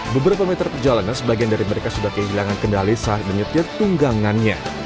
beberapa meter perjalanan sebagian dari mereka sudah kehilangan kendali saat menyetir tunggangannya